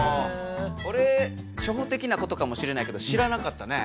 これ初歩的なことかもしれないけど知らなかったね！